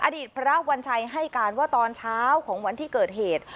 อดีตพระวัญชัยให้การว่าตอนเช้าของวันที่เกิดเหตุ